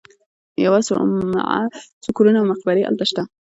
یوه صومعه، څو کورونه او مقبرې هلته شته.